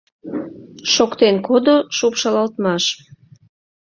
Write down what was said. — шоктен кодо шупшалалтмаш.